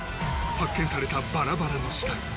発見されたバラバラの死体。